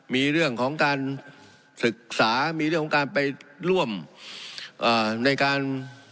มีเรื่องของการศึกษามีเรื่องของการไปร่วมในการ